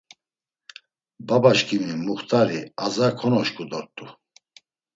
Babaşǩimi muxt̆ari, aza konoşǩu dort̆u.